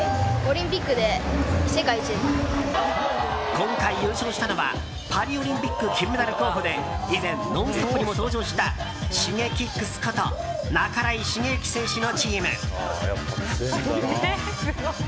今回優勝したのはパリオリンピック金メダル候補で以前「ノンストップ！」にも登場したＳｈｉｇｅｋｉｘこと半井重幸選手のチーム。